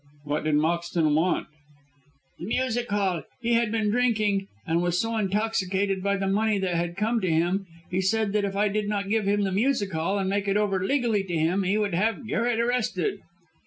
"What did Moxton want?" "The music hall. He had been drinking, and was also intoxicated by the money that had come to him. He said that if I did not give him the music hall and make it over legally to him, he would have Garret arrested."